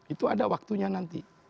itu ada waktunya nanti